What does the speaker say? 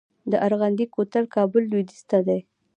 د ارغندې کوتل کابل لویدیځ ته دی